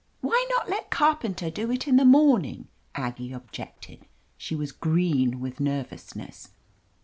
"Why not let Carpenter do it, in the morn ing?" Aggie objected. She was green with nervousness.